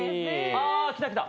あ来た来た。